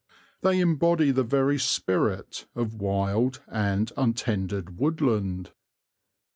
They embody the very spirit of wild and untended woodland.